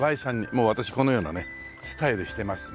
もう私このようなねスタイルしてますのでね